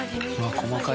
細かい！